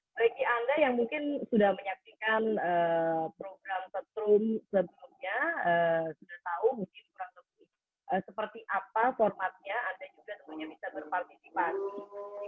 mungkin anda yang sudah menyaksikan program petrum sebelumnya sudah tahu mungkin seperti apa formatnya anda juga semuanya bisa berpartisipasi